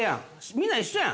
みんな一緒やん